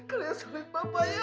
kalian jangan salahkan ibu